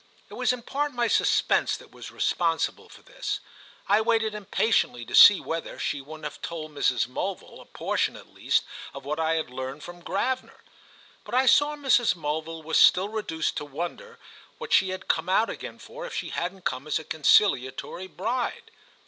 It was in part my suspense that was responsible for this; I waited impatiently to see whether she wouldn't have told Mrs. Mulville a portion at least of what I had learned from Gravener. But I saw Mrs. Mulville was still reduced to wonder what she had come out again for if she hadn't come as a conciliatory bride.